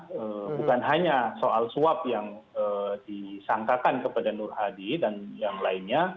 karena bukan hanya soal suap yang disangkakan kepada nur hadi dan yang lainnya